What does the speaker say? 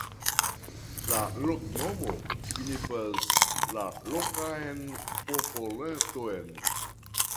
La loknomo signifas la lokan popoleton.